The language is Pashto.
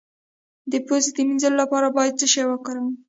د پوزې د مینځلو لپاره باید څه شی وکاروم؟